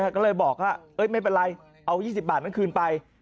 ก็เลยบอกว่าไม่เป็นไรเอา๒๐บาทนั้นคืนไป